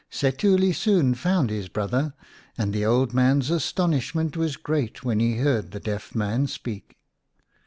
Setuli soon found his brother, and the old man's astonishment was great when he heard the deaf man speak.